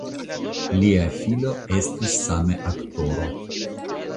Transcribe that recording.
Lia filo estis same aktoro.